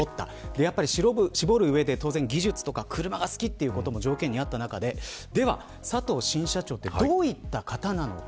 やはり絞る上で技術とか車が好きということも条件にあった中で佐藤新社長はどういった方なのか。